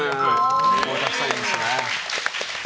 たくさんいますね。